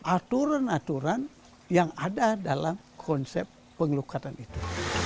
aturan aturan yang ada dalam konsep pengelukatan itu